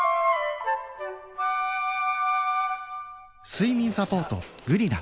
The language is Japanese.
睡眠サポート「グリナ」